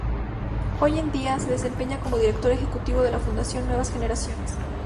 Hoy en día, se desempeña como Director Ejecutivo de la Fundación Nuevas Generaciones.